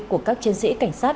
của các chiến sĩ cảnh sát